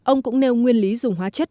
ông cũng nêu nguyên lý dùng hóa chất